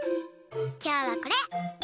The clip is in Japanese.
きょうはこれ。